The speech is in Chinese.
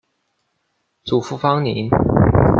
祖父方宁。